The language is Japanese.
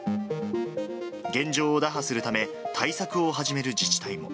現状を打破するため、対策を始める自治体も。